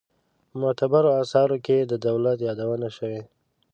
په معتبرو آثارو کې د دولت یادونه شوې.